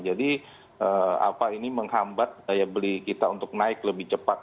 jadi apa ini menghambat daya beli kita untuk naik lebih cepat